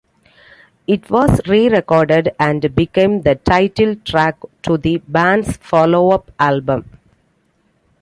It was re-recorded and became the title track to the band's follow-up album.